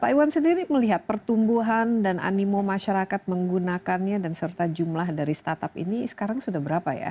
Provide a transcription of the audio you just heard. pak iwan sendiri melihat pertumbuhan dan animo masyarakat menggunakannya dan serta jumlah dari startup ini sekarang sudah berapa ya